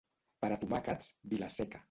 Per a tomàquets, Vila-seca.